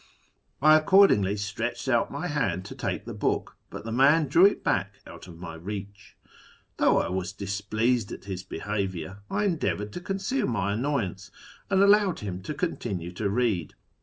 I accordingly stretched out my hand to take the book, but the man drew it back out of my reach. Though I was displeased at his behaviour, I endeavoured to conceal my annoyance, and allowed him to continue to read.